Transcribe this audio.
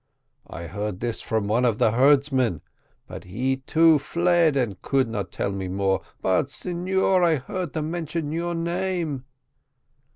I heard this from one of the herdsmen, but he too fled and could not tell me more. But, signor, I heard them mention your name."